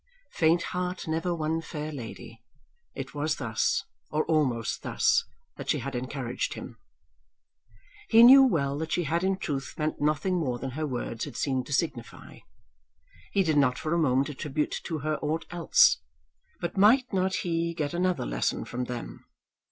"Faint heart never won fair lady." It was thus, or almost thus, that she had encouraged him. He knew well that she had in truth meant nothing more than her words had seemed to signify. He did not for a moment attribute to her aught else. But might not he get another lesson from them?